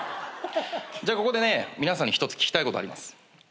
じゃあここでね皆さんに一つ聞きたいことあります。